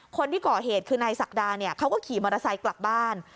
คนที่ก่อเหตุคือนายศักดาเนี่ยเขาก็ขี่มอเตอร์ไซค์กลับบ้าน